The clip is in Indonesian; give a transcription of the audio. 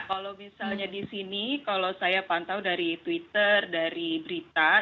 kalau misalnya di sini kalau saya pantau dari twitter dari berita